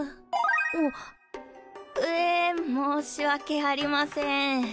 んっ！え申し訳ありません。